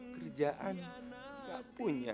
kerjaan gak punya